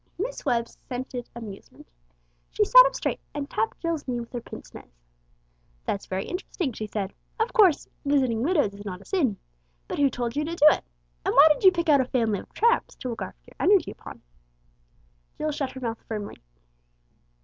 Miss Webb scented amusement. She sat up straight, and tapped Jill's knee with her pince nez. "That's very interesting," she said. "Of course, visiting widows is not a sin. But who told you to do it? And why did you pick out a family of tramps to work off your energy upon?" Jill shut her mouth firmly.